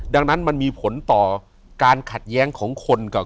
อยู่ที่แม่ศรีวิรัยิลครับ